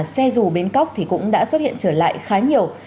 xe dù bến cóc thì cũng đã xuất hiện trở lại khá nhiều